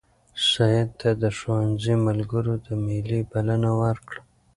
سعید ته د ښوونځي ملګرو د مېلې بلنه ورکړه.